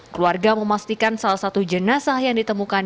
keluarga memastikan salah satu jenazah yang ditemukan